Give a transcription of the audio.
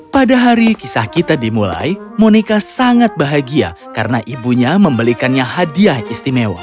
pada hari kisah kita dimulai monika sangat bahagia karena ibunya membelikannya hadiah istimewa